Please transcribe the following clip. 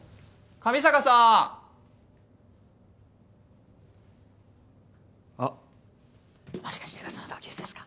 上坂さん！あっもしかして噂の同級生ですか？